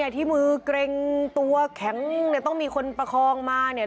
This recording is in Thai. ที่มือเกร็งตัวแข็งเนี่ยต้องมีคนประคองมาเนี่ย